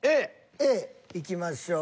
Ａいきましょう。